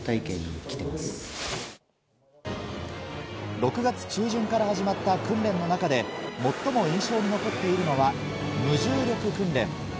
６月中旬から始まった訓練の中で最も印象に残っているのは無重力訓練。